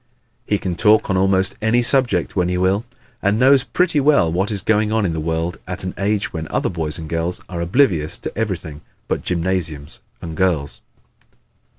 He can talk on almost any subject when he will and knows pretty well what is going on in the world at an age when other boys are oblivious to everything but gymnasiums and girls.